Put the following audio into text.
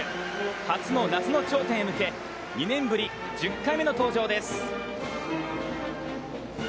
初の夏の頂点へ向け、２年ぶり１０回目の登場です。